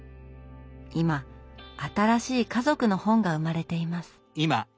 今新しい家族の本が生まれています。